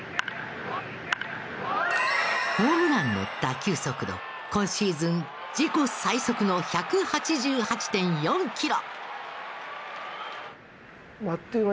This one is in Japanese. ホームランの打球速度今シーズン自己最速の１８８．４キロ。